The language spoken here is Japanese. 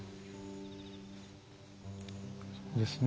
そうですね。